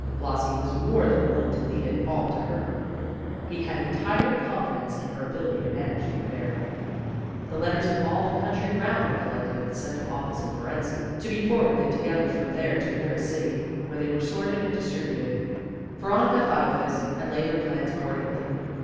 Blasi was more than willing to leave it all to her; he had entire confidence in her ability to manage the affair. The letters of all the country round were collected at the central office in Fohrensee, to be forwarded together from there to the nearest city, where they were sorted and distributed. Veronica thought of this, and laid her plans accordingly.